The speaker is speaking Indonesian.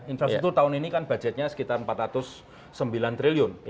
infrastruktur tahun ini kan budgetnya sekitar rp empat ratus sembilan triliun